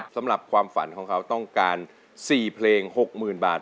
สำหรับความฝันของเขาต้องการ๔เพลง๖๐๐๐บาท